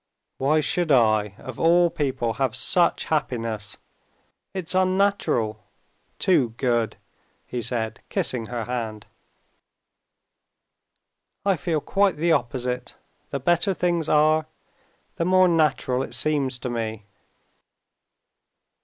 "Why should I, of all people, have such happiness! It's unnatural, too good," he said, kissing her hand. "I feel quite the opposite; the better things are, the more natural it seems to me."